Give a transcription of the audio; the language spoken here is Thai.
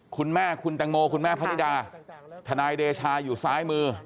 คุณแม่คุณแตงโมคุณแม่พนิดาทนายเดชาอยู่ซ้ายมือ